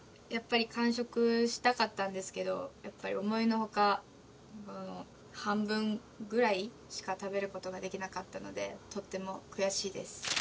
やっぱり完食したかったんですけどやっぱり思いの外うん半分ぐらいしか食べることができなかったのでとっても悔しいです。